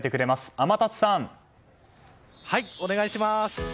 天達さん！お願いします。